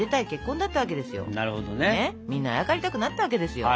みんなあやかりたくなったわけですよ。